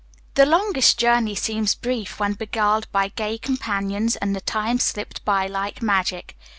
The longest journey seems brief when beguiled by gay companions, and the time slipped by like magic.